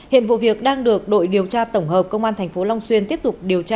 hiện vụ việc đang được đội điều tra tổng hợp công an tp long xuyên tiếp tục điều tra